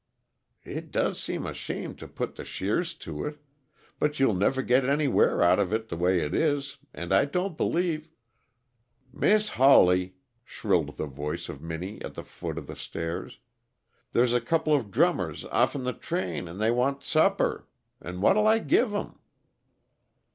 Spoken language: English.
"It does seem a shame to put the shears to it but you never'll git any wear out of it the way it is, and I don't believe " "Mis' Hawley!" shrilled the voice of Minnie at the foot of the stairs. "There's a couple of drummers off'n the train, 'n' they want supper, 'n' what'll I give 'em?"